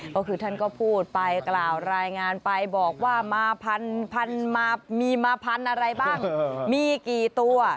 ก็คือท่านก็พูดไปกล่าวรายงานไปบอกว่ามาพันมามีมาพันธุ์อะไรบ้างมีกี่ตัว